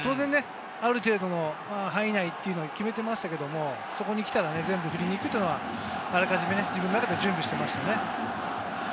ある程度の範囲内は決めていましたけど、そこに来たら全部、振りに行くというのは、あらかじめ自分の中で準備していました。